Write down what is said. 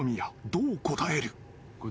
どう答える？］